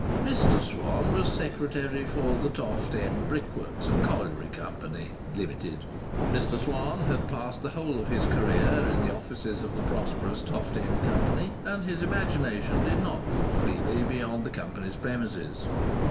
Mr Swann was secretary for the Toft End Brickworks and Colliery Company (Limited). Mr Swann had passed the whole of his career in the offices of the prosperous Toft End Company, and his imagination did not move freely beyond the company's premises.